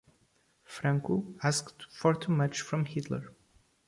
Franco asked for too much from Hitler.